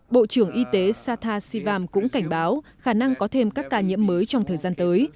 bộ trưởng y tế satasivam cũng cảnh báo khả năng có thêm các ca nhiễm mới trong thời gian tới